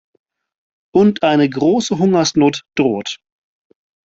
Und eine große Hungersnot droht.